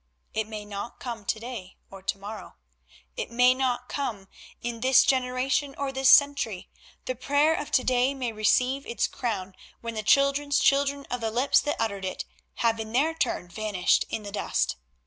It may not come to day or to morrow. It may not come in this generation or this century; the prayer of to day may receive its crown when the children's children of the lips that uttered it have in their turn vanished in the dust.